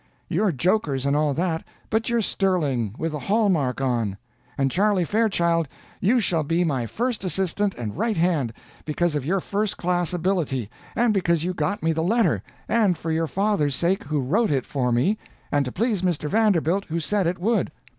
You're jokers, and all that, but you're sterling, with the hallmark on. And Charley Fairchild, you shall be my first assistant and right hand, because of your first class ability, and because you got me the letter, and for your father's sake who wrote it for me, and to please Mr. Vanderbilt, who said it would!